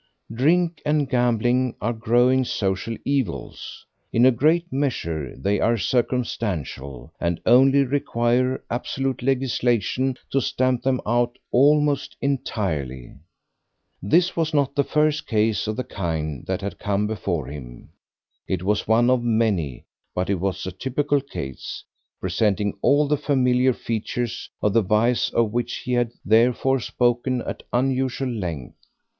Drink and gambling are growing social evils; in a great measure they are circumstantial, and only require absolute legislation to stamp them out almost entirely. This was not the first case of the kind that had come before him; it was one of many, but it was a typical case, presenting all the familiar features of the vice of which he had therefore spoken at unusual length.